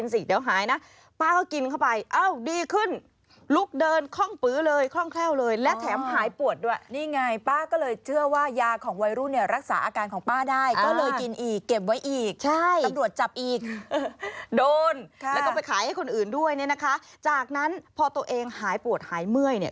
ใช่โดนแล้วก็ไปขายให้คนอื่นด้วยเนี่ยนะคะจากนั้นพอตัวเองหายปวดหายเมื่อยเนี่ย